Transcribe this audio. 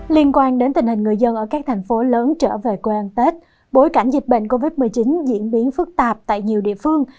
liên quan đến tình hình người dân ở các thành phố lớn trở về quê an tết bối cảnh dịch bệnh covid một mươi chín diễn biến phức tạp tại nhiều địa phương